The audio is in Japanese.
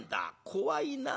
怖いな。